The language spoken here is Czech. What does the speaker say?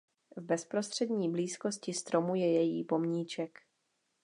V bezprostřední blízkosti stromu je její pomníček.